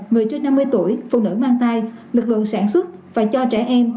người trước năm mươi tuổi phụ nữ mang tay lực lượng sản xuất và cho trẻ em